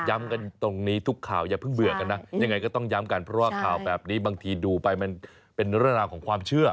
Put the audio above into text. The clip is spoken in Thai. กันตรงนี้ทุกข่าวอย่าเพิ่งเบื่อกันนะยังไงก็ต้องย้ำกันเพราะว่าข่าวแบบนี้บางทีดูไปมันเป็นเรื่องราวของความเชื่อ